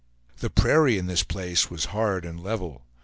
The prairie in this place was hard and level.